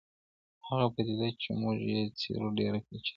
هغه پدیده چي موږ یې څېړو، ډېره پېچلې ده.